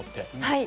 はい。